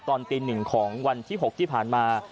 ตอนตี๑ของวันที่๖ที่ผ่านมา